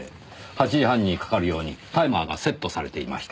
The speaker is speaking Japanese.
８時半にかかるようにタイマーがセットされていました。